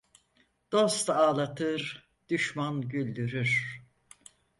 Dost ağlatır, düşman güldürür.